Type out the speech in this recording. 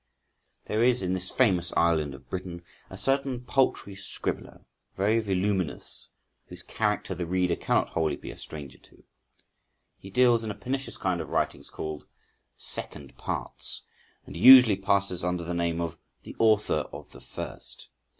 There is in this famous island of Britain a certain paltry scribbler, very voluminous, whose character the reader cannot wholly be a stranger to. He deals in a pernicious kind of writings called "Second Parts," and usually passes under the name of "The Author of the First."